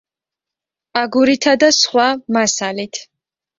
აგურითა და სხვა მასალით.